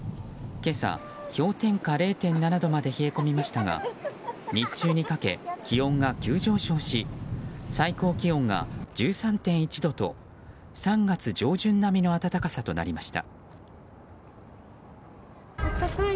今朝、氷点下０．７度まで冷え込みましたが日中にかけ気温が急上昇し最高気温が１３．１度と３月上旬並みの暖かさとなりました。